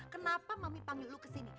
kenapa mami panggil lo kesini